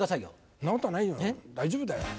そんなことないよ大丈夫だよ。